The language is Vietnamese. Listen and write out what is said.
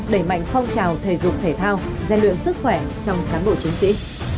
đẩy mạnh phong trào thể dục thể thao gian luyện sức khỏe trong cán bộ chiến sĩ